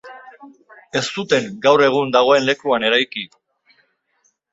Ez zuten gaur egun dagoen lekuan eraiki.